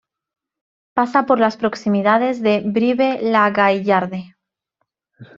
Pasa por las proximidades de Brive-la-Gaillarde.